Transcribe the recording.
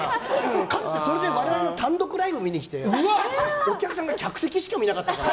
かつて、それで我々の単独ライブを見に来てお客さんが客席しか見なかったから。